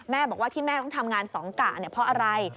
แม่บอกว่าที่แม่ต้องทำงานสองกะเนี่ยเพราะอะไร